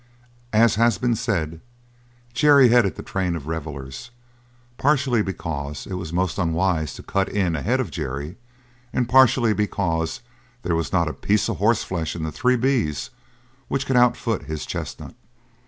As has been said, Jerry headed the train of revellers, partially because it was most unwise to cut in ahead of Jerry and partially because there was not a piece of horseflesh in the Three B's which could outfoot his chestnut.